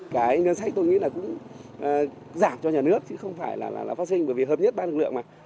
cái ngân sách tôi nghĩ là cũng giảm cho nhà nước chứ không phải là phát sinh bởi vì hợp nhất ba lực lượng mà